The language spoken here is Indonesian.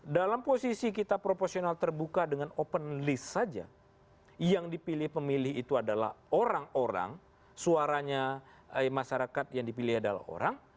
dalam posisi kita proporsional terbuka dengan open list saja yang dipilih pemilih itu adalah orang orang suaranya masyarakat yang dipilih adalah orang